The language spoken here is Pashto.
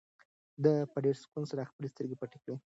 ده په ډېر سکون سره خپلې سترګې پټې کړې.